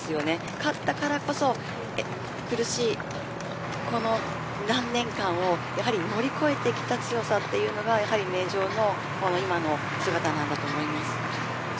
勝ったからこそ苦しい何年間を乗り越えてきた強さというのが名城の今の姿なんだと思います。